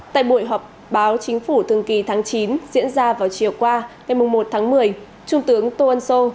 tại buổi họp báo chính phủ thường kỳ tháng chín diễn ra vào chiều qua ngày một tháng một mươi trung tướng tô ân sô